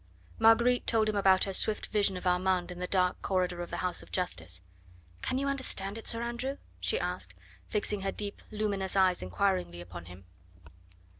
Marguerite told him about her swift vision of Armand in the dark corridor of the house of Justice. "Can you understand it, Sir Andrew?" she asked, fixing her deep, luminous eyes inquiringly upon him.